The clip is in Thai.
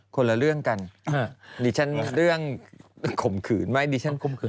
คนละเรื่องกันดิฉันมีเรื่องข่มขืนไหมดิฉันข่มขืน